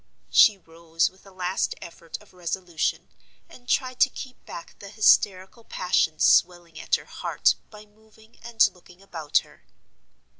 She rose with a last effort of resolution, and tried to keep back the hysterical passion swelling at her heart by moving and looking about her.